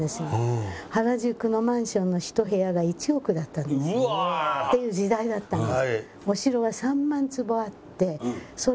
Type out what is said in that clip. その時代。っていう時代だったんです。